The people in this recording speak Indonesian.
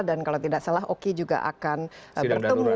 dan kalau tidak salah ok juga akan bertemu